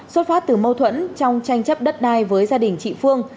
xuất phát từ mâu thuẫn trong tranh chấp đất đai với gia đình chị phương